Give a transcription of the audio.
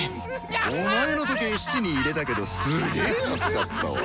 お前の時計質に入れたけどすげー安かったわ。